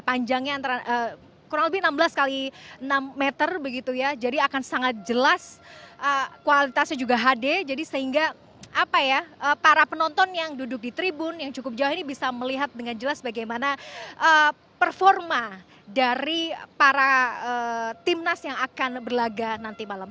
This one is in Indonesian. panjangnya kurang lebih enam belas x enam meter begitu ya jadi akan sangat jelas kualitasnya juga hd jadi sehingga apa ya para penonton yang duduk di tribun yang cukup jauh ini bisa melihat dengan jelas bagaimana performa dari para timnas yang akan berlaga nanti malam